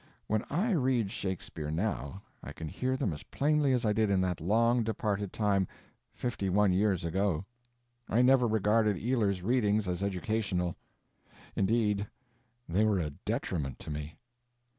When I read Shakespeare now I can hear them as plainly as I did in that long departed time—fifty one years ago. I never regarded Ealer's readings as educational. Indeed, they were a detriment to me.